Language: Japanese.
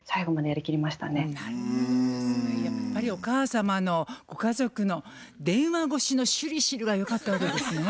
やっぱりお母様のご家族の電話越しのしゅりしゅりがよかったわけですね。